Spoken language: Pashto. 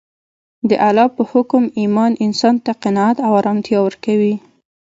د الله په حکم ایمان انسان ته قناعت او ارامتیا ورکوي